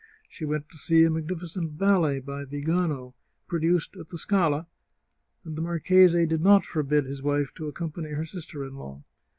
She went to see a magnificent ballet by Vigano, produced at the Scala, and the marchese did not forbid his wife to accompany her sister in law.